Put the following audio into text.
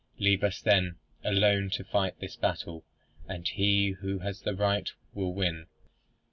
Leave us then, alone to fight this battle, and he who has the right will win."